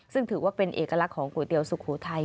ซึ่งถือว่าเป็นเอกลักษณ์ของก๋วยเตี๋ยวสุโขทัย